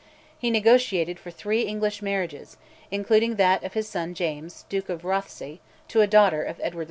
He negotiated for three English marriages, including that of his son James, Duke of Rothesay, to a daughter of Edward IV.